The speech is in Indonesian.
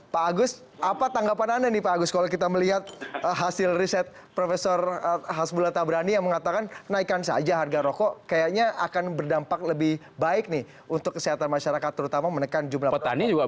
pak agus apa tanggapan anda nih pak agus kalau kita melihat hasil riset prof hasbula tabrani yang mengatakan naikkan saja harga rokok kayaknya akan berdampak lebih baik nih untuk kesehatan masyarakat terutama menekan jumlah petani juga